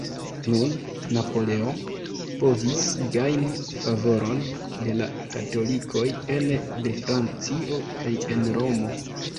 Nun, Napoleon povis gajni favoron de la katolikoj ene de Francio kaj en Romo.